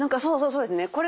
そうそうそうですね。